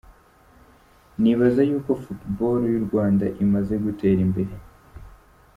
nibaza yuko football y’u Rwanda imaze gutera imbere.